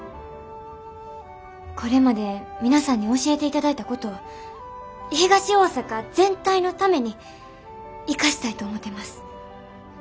これまで皆さんに教えていただいたことを東大阪全体のために生かしたいと思てます。